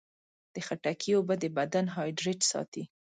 د خټکي اوبه د بدن هایډریټ ساتي.